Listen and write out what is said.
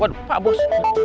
waduh pak bos